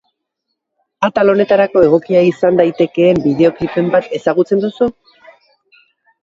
Atal honetarako egokia izan daitekeen bideoklipen bat ezagutzen duzu?